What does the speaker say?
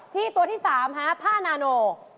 ที่ตัวที่๓ผ้านาโน